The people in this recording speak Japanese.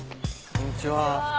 こんにちは。